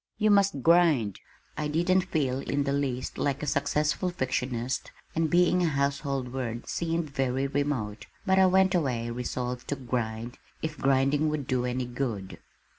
You must grind!" I didn't feel in the least like a successful fictionist and being a household word seemed very remote, but I went away resolved to "grind" if grinding would do any good.